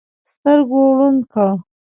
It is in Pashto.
سترګو ړوند کړ.